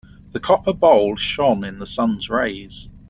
The copper bowl shone in the sun's rays.